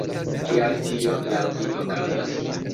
Kial tio laŭ vi okazas?